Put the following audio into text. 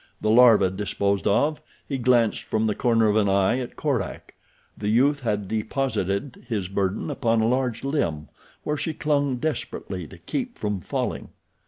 The larva disposed of, he glanced from the corner of an eye at Korak. The youth had deposited his burden upon a large limb, where she clung desperately to keep from falling.